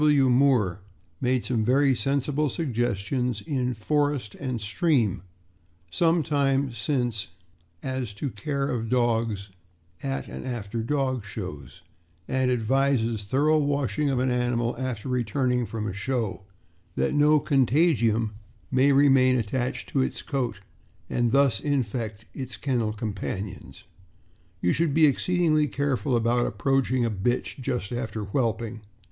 Gr. W. Moore made some very sensible suggestions in Forest and Stream some time since as to care of dogs at and after dog shows, and advises thorough washing of an animal after returning from a show, that no contagium may remain attached to its coat and thus infect its kennel companions. You should be exceedingly careful about approaching a bitch just after whelping.